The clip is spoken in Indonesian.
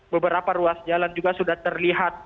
beberapa ruas jalan juga sudah terlihat